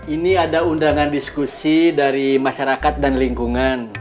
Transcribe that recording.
ini ada undangan diskusi dari masyarakat dan lingkungan